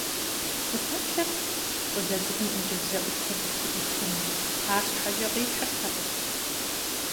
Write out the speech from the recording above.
Сыпэплъэрт щӀалэ цӀыкӀум ӀункӀыбзэӀухыр къысхуихьыным, арщхьэкӀэ къихьыртэкъым.